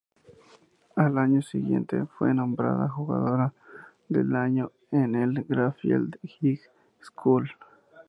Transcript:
Al año siguiente fue nombrada jugadora del año en el Garfield High School.